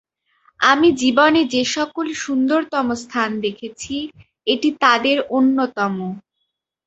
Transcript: আমি জীবনে যে-সকল সুন্দরতম স্থান দেখেছি, এটি তাদের অন্যতম।